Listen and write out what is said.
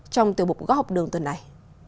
trong tiểu bục góc học đường tuần này